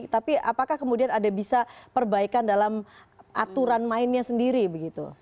tapi apakah kemudian ada bisa perbaikan dalam aturan mainnya sendiri begitu